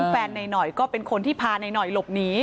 ซึ่งแฟนหน่อยก็เป็นคนที่พาหน่อยหลบหนี